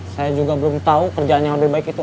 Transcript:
saya juga belum tahu kerjaan yang lebih baik itu